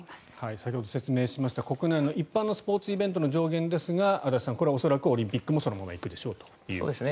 先ほど説明しました国内の一般のスポーツイベントの上限ですが足立さん、これは恐らくオリンピックもそのまま行くでしょうと。